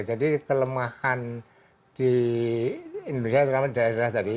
jadi kelemahan di indonesia terutama daerah tadi